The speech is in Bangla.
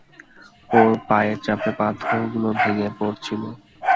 ওর পায়ের চাপে পাথরগুলো ভেঙ্গে পড়ছিল।